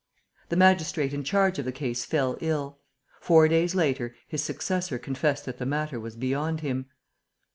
The magistrate in charge of the case fell ill. Four days later, his successor confessed that the matter was beyond him.